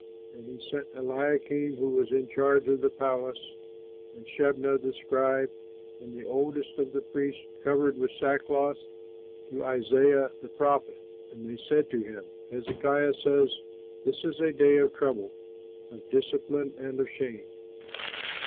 And he sent Eliakim, who was in charge of the palace, and Shebnah, the scribe and the oldest of the priests, covered with sackcloth, to Isaiah, the prophet. And they said to him, Hezekiah says, "This is a day of trouble, of discipline and of shame.